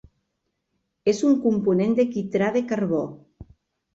És un component de quitrà de carbó.